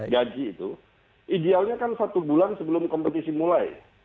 gaji itu idealnya kan satu bulan sebelum kompetisi mulai